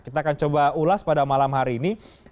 kita akan coba ulas pada malam hari ini